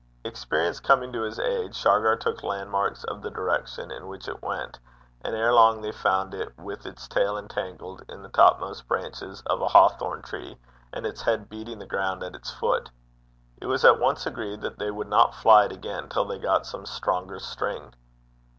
Experience coming to his aid, Shargar took landmarks of the direction in which it went; and ere long they found it with its tail entangled in the topmost branches of a hawthorn tree, and its head beating the ground at its foot. It was at once agreed that they would not fly it again till they got some stronger string.